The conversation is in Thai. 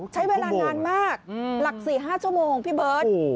ใช้เวลานานมากหลัก๔๕ชั่วโมงพี่เบิร์ต